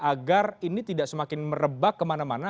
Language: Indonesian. agar ini tidak semakin merebak kemana mana